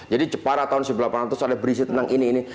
jadi jepara tahun seribu delapan ratus ada berisi tentang ini ini